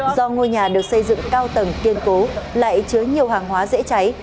do ngôi nhà được xây dựng cao tầng kiên cố lại chứa nhiều hàng hóa dễ cháy